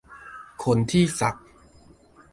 คนที่สัก